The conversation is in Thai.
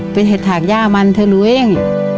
เป็นเห็ดถากย่ามันเธอรู้เอง